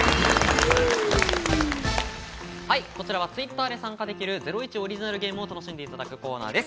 こちらはＴｗｉｔｔｅｒで参加できる『ゼロイチ』オリジナルゲームを楽しんでいただくコーナーです。